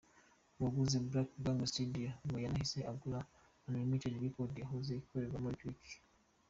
Uwaguze Black Gang studio ngo yanahise agura na Unlimited Records yahoze ikoreramo Licky Licky.